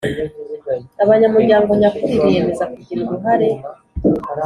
Abanyamuryango nyakuri biyemeza kugira uruhare